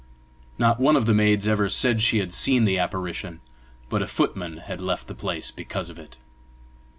Not one of the maids ever said she had seen the apparition, but a footman had left the place because of it.